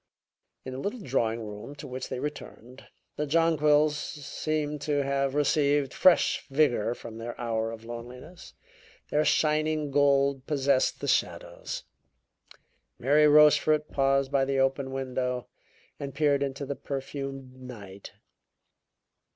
In the little drawing room to which they returned, the jonquils seemed to have received fresh vigor from their hour of loneliness; their shining gold possessed the shadows. Mary Rochefort paused by the open window and peered into the perfumed night.